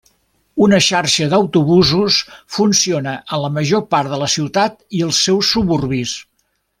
Una xarxa d'autobusos funciona en la major part de la ciutat i els seus suburbis.